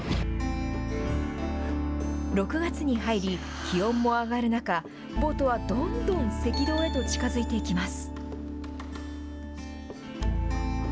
６月に入り、気温も上がる中、ボートはどんどん赤道へと近づいていきます。